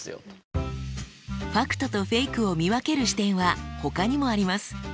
ファクトとフェイクを見分ける視点はほかにもあります。